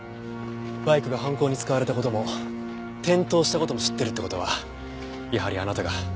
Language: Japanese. バイクが犯行に使われた事も転倒した事も知ってるって事はやはりあなたが。